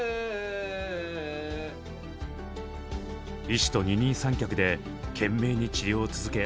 医師と二人三脚で懸命に治療を続け